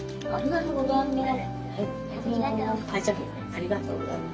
ありがとうございます。